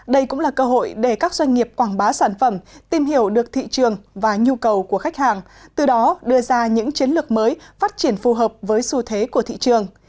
đây cũng là cơ hội để các doanh nghiệp quảng bá sản phẩm tìm hiểu được thị trường và nhu cầu của khách hàng từ đó đưa ra những chiến lược mới phát triển phù hợp với xu thế của thị trường